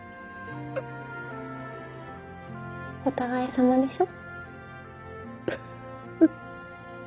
お互いさまでしょ。